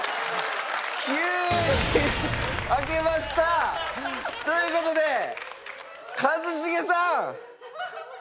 ９位開けました！という事で一茂さん。